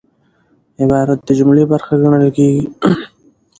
عبارت د جملې برخه ګڼل کېږي.